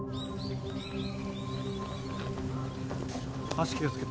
足気をつけて。